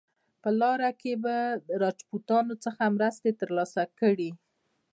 په لاره کې به د راجپوتانو څخه مرستې ترلاسه کړي.